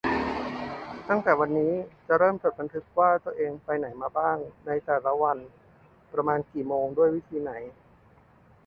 ตั้งแต่วันนี้ จะเริ่มจดบันทึกว่าตัวเองไปไหนมาบ้างในแต่ละวัน ประมาณกี่โมง ไปด้วยวิธีไหน